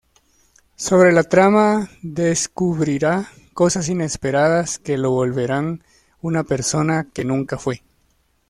Sobre la trama, descubrirá cosas inesperadas que lo volverán una persona que nunca fue.